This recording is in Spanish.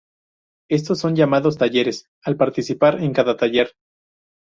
Estos son llamados "talleres", al participar en cada taller.